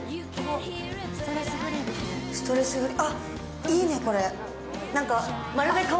ストレスフリー。